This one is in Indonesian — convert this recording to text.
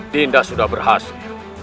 dinda sudah berhasil